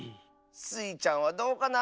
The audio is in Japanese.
スイちゃんはどうかな？